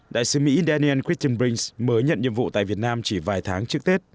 đại sứ mỹ daniel crichton brink mới nhận nhiệm vụ tại việt nam chỉ vài tháng trước tết